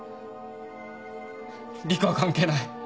陸は関係ない。